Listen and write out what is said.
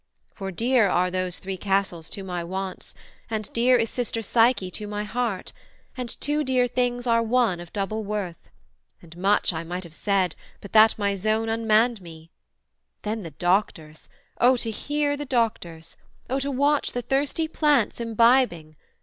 For dear are those three castles to my wants, And dear is sister Psyche to my heart, And two dear things are one of double worth, And much I might have said, but that my zone Unmanned me: then the Doctors! O to hear The Doctors! O to watch the thirsty plants Imbibing!